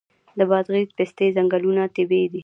د بادغیس د پستې ځنګلونه طبیعي دي.